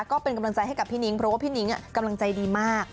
ก็เป็นกำลังใจให้กับพี่นิ้งเพราะว่าพี่นิ้งกำลังใจดีมาก